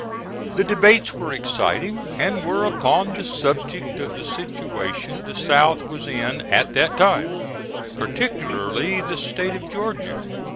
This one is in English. The debates were exciting, and were upon the subject of the situation the South was in at that time, particularly the State of Georgia.